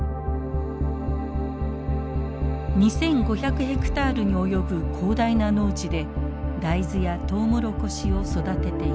２，５００ヘクタールに及ぶ広大な農地で大豆やトウモロコシを育てています。